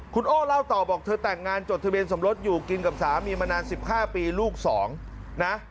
คุณโอ้เล่าต่อบอกเธอแต่งงานจดทะเบียนสมรสอยู่กินกับสามีมานาน๑๕ปีลูก๒นะ